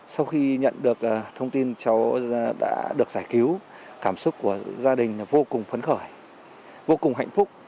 sau khi nhận được thông tin cháu đã được giải cứu cảm xúc của gia đình vô cùng phấn khởi vô cùng hạnh phúc